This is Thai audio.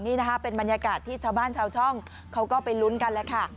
นี่นะคะเป็นบรรยากาศที่ชาวบ้านชาวช่องเขาก็ไปลุ้นกันแล้วค่ะ